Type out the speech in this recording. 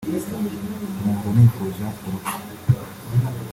nkumva nifuza urupfu